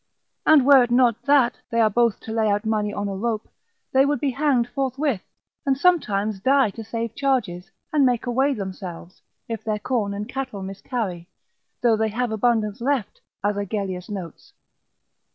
and were it not that they are both to lay out money on a rope, they would be hanged forthwith, and sometimes die to save charges, and make away themselves, if their corn and cattle miscarry; though they have abundance left, as Agellius notes.